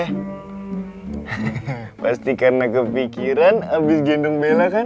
eh pasti karena kepikiran habis gendong bella kan